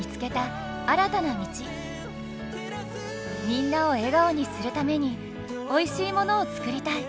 みんなを笑顔にするためにおいしいものを作りたい！